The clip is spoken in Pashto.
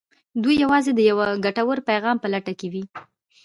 دوی يوازې د يوه ګټور پيغام په لټه کې وي.